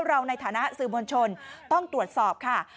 เราในฐานะสื่อมวลชนต้องตรวจสอบค่ะ